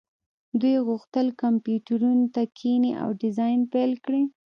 دوی غوښتل کمپیوټرونو ته کښیني او ډیزاین پیل کړي